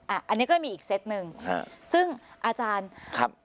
อันนี้ก็มีอีกเซตหนึ่งฮะซึ่งอาจารย์ครับ